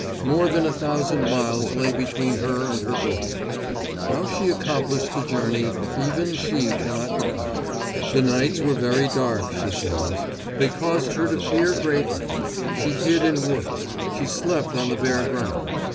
More than a thousand miles lay between herself and her goal. How she accomplished the journey even she cannot tell. The nights were very dark, she says; they caused her to fear greatly. She hid in woods. She slept on the bare ground.